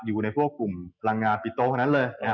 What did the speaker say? อยู่ในพวกกลุ่มพลังงานติดโต๊ะคนนั้นเลย